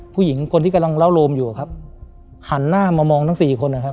ผู้หญิงคนที่กำลังเล่าโรมอยู่ครับหันหน้ามามองทั้งสี่คนนะครับ